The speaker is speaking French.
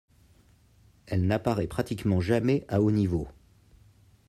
Elle n'apparaît pratiquement jamais à haut niveau.